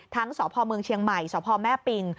สพเมืองเชียงใหม่สพแม่ปิง